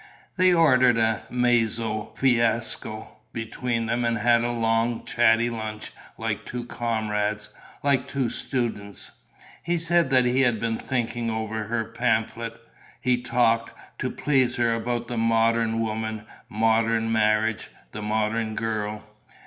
They ordered a mezzo fiasco between them and had a long, chatty lunch like two comrades, like two students. He said that he had been thinking over her pamphlet; he talked, to please her, about the modern woman, modern marriage, the modern girl.